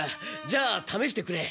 じゃあためしてくれ。